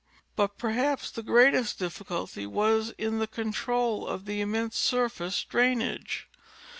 But perhaps the greatest difficulty was in the control of the immense surface drainage.